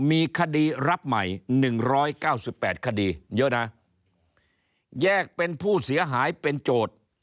มีคดีรับใหม่หนึ่งร้อยเก้าสิบแปดคดีเยอะนะแยกเป็นผู้เสียหายเป็นโจทย์